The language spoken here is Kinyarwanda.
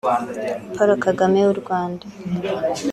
Paul Kagame w’u Rwanda